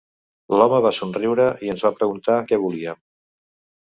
L'home va somriure i ens preguntà què volíem.